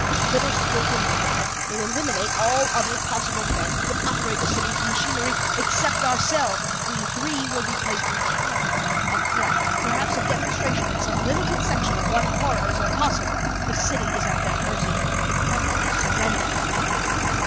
A little skilful management will eliminate all other possible men who could operate the city's machinery, except ourselves. We three will be placed in charge. A threat, perhaps a demonstration in some limited section of what horrors are possible. The city is at their mercy, and promptly surrenders.